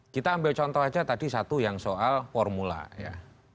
kita ambil contoh aja tadi satu yang soal formula ya